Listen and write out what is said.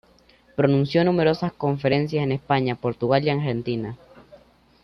Pronunció numerosas conferencias en España, Portugal y Argentina.